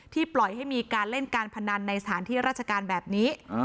ปล่อยให้มีการเล่นการพนันในสถานที่ราชการแบบนี้